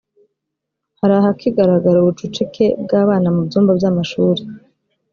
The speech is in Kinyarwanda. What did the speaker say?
hari ahakigaragara ubucucike bwa’bana mu byumba by’amashuri